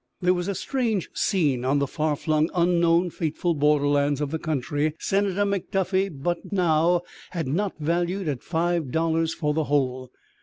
There was a strange scene on the far flung, unknown, fateful borderlands of the country Senator McDuffie but now had not valued at five dollars for the whole.